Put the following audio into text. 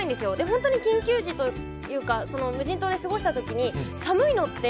本当に緊急時というか無人島で過ごした時に寒いのって